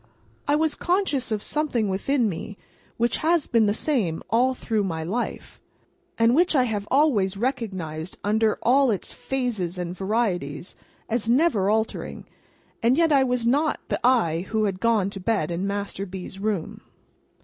I was conscious of something within me, which has been the same all through my life, and which I have always recognised under all its phases and varieties as never altering, and yet I was not the I who had gone to bed in Master B.'s room.